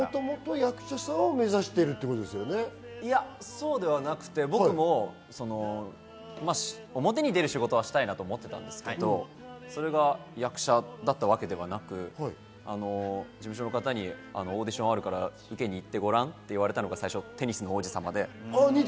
もともと役者さんを目指していや、僕も表に出る仕事はしたいなとは思ってたんですが、それが役者だったわけではなく、事務所の方にオーディションあるから受けに行ってごらんって言われたのが最初『テニスの王子様』で。